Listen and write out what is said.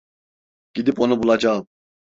Gidip onu bulacağım.